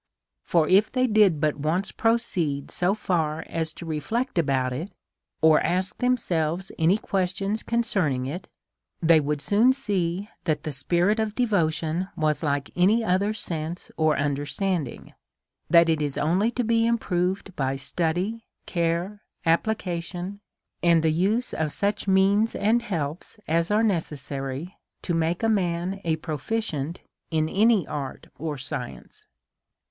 For if they did but once proceed so far as to reflect about it, or ask themselves any questions concerning it, they would soon see that the spirit of devotion was like any other sense or un derstanding, that is only to be improved by study, care, application, and the use of such means and helps n3 183 A SERIOUS CALL TO A as are necessary to make a man a proficient in any art or science.